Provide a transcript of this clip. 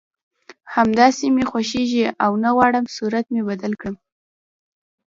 همداسې مې خوښېږي او نه غواړم صورت مې بدل کړم